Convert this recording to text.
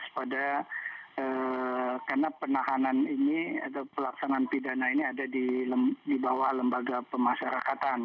karena penahanan ini atau pelaksanaan pidana ini ada di bawah lembaga pemasyarakatan